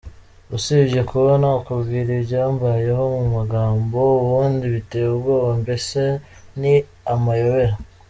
Usibye kuba nakubwira ibyambayeho mu magambo ubundi biteye ubwoba, mbese ni amayobera.